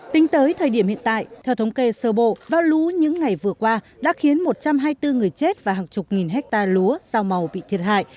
tính tới thời điểm hiện tại theo thống kê sơ bộ vào lũ những ngày vừa qua đã khiến một trăm hai mươi bốn người chết và hàng chục nghìn hectare lúa sao màu bị thiệt hại